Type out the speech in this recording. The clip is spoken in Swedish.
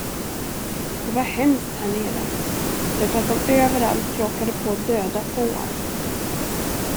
Det var hemskt härnere, därför att de överallt råkade på döda får.